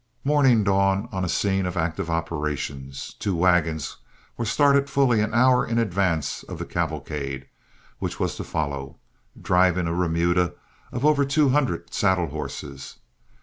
Morning dawned on a scene of active operations. The two wagons were started fully an hour in advance of the cavalcade, which was to follow, driving a remuda of over two hundred saddle horses.